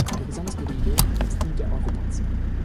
Eine besonders gute Idee ist die der Eurobonds.